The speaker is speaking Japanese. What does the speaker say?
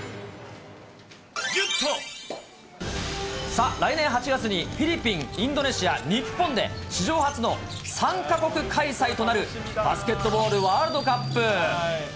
さあ、来年８月にフィリピン、インドネシア、日本で、史上初の３か国開催となる、バスケットボールワールドカップ。